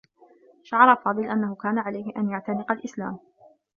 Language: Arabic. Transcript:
شعر فاضل أنّه كان عليه أن يعتنق الإسلام.